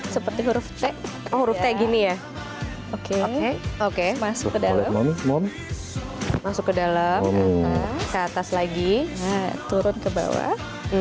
seperti huruf t huruf t gini ya oke oke masuk ke dalam masuk ke dalam ke atas lagi turun ke bawah